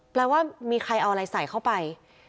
แปลว่ามีใครเอาอะไรใส่เข้าไป